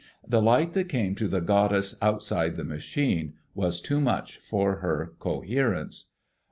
The light that came to the Goddess outside the Machine was too much for her coherence.